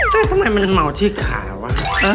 ใช่ทำไมมันเมาที่ขาวะ